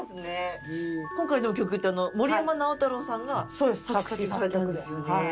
今回の曲って、森山直太朗さんが作詞・作曲されたんですよね。